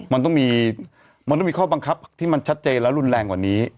มันต้องมีมันต้องมีข้อบังคับที่มันชัดเจนและรุนแรงกว่านี้